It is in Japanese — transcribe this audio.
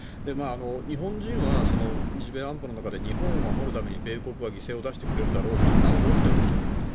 日本人は日米安保の中で日本を守るために米国が犠牲を出してくれるだろうと思ってますよね。